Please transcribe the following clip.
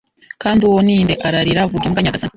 “Kandi uwo ni nde?” ararira. “Vuga imbwa, nyagasani!”